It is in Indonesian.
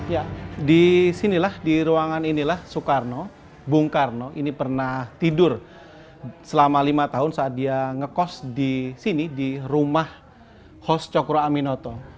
ya di sinilah di ruangan inilah soekarno bung karno ini pernah tidur selama lima tahun saat dia ngekos di sini di rumah hos cokro aminoto